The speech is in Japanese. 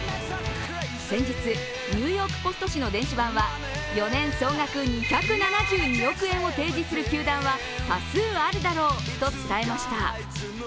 先日、「ニューヨーク・ポスト」紙の電子版は４年総額２７２億円を提示する球団は多数あるだろうと伝えました。